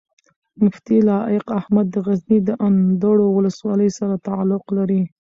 مفتي لائق احمد د غزني د اندړو ولسوالۍ سره تعلق لري